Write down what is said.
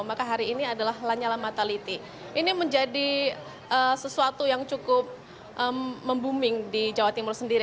maka hari ini adalah lanyala mataliti ini menjadi sesuatu yang cukup membooming di jawa timur sendiri